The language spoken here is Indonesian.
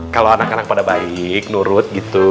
kalau anak anak pada baik nurut gitu